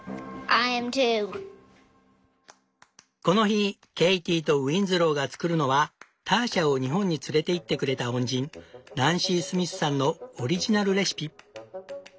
この日ケイティとウィンズローが作るのはターシャを日本に連れていってくれた恩人ナンシー・スミスさんのオリジナルレシピ。